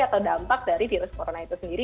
atau dampak dari virus corona itu sendiri